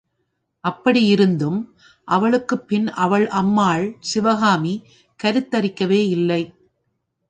அப்படியிருந்தும், அவளுக்குப் பின் அவள் அம்மாள் சிவகாமி கருத்தரிக்கவே இல்லை.